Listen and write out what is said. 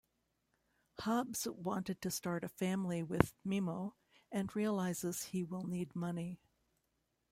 Hobbs wants to start a family with Memo and realizes he will need money.